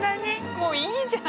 もういいじゃん。